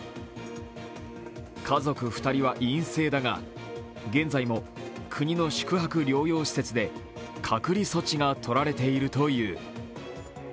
家族２人は陰性だが現在も国の宿泊療養施設で隔離措置がとられているという。